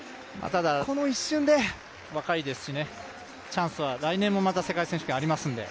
ただ、若いですし、チャンスは来年もまた世界選手権ありますので。